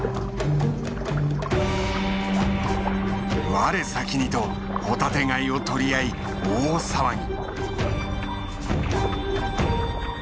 我先にとホタテガイを取り合い大騒ぎ。